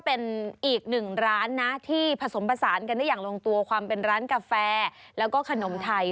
เป็นอีกมีร้านที่ผสมผสานกะลงตัวความเป็นหรือเป็นร้านกาแฟและกลิ่นขนมไทย